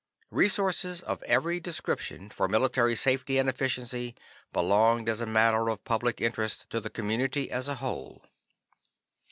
Resources of every description, for military safety and efficiency, belonged as a matter of public interest to the community as a whole.